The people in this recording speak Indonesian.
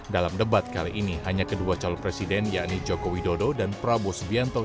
dalam debat kali ini hanya kedua calon presiden yakni joko widodo dan prabowo subianto